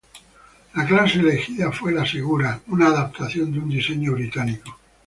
La clase elegida fue la "Segura", una adaptación de un diseño británico.